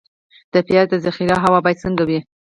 د پیاز د ذخیرې هوا باید څنګه وي؟